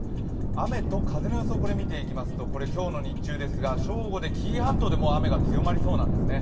雨と風の予想を見ていきますと今日の日中ですが正午で紀伊半島でも雨が強まりそうなんですね。